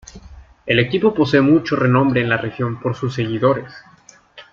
El equipo posee mucho renombre en la región por sus seguidores.